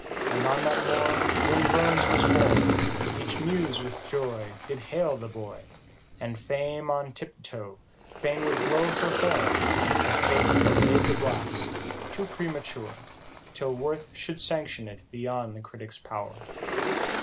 87 And on that morn, When BURNS was born, Each Muse with joy, Did hail the boy ; And fame on tip toe, fain would blow her horn, But Fate forbade the blast, too premature, Till worth should sanction it beyond the critic's pow'r.